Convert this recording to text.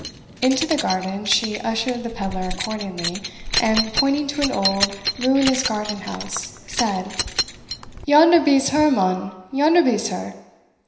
Into the garden she ushered the pedlar accordingly, and pointing to an old, ruinous garden house, said, "Yonder be's her, mon yonder be's her.